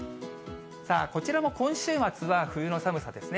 さあ、こちらも今週末は冬の寒さですね。